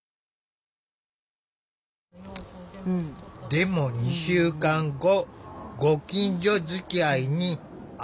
でも２週間後ご近所づきあいにある変化が。